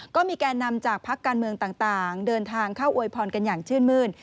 ก็มีแก่นำจากพักการเมืองต่างเดินทางเข้าอวยพรกันอย่างชื่นมื้น